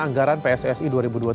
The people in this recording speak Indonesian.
anggaran pssi dua ribu dua puluh tiga